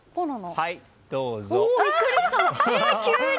はい、どうぞ。